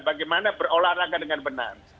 bagaimana berolahraga dengan benar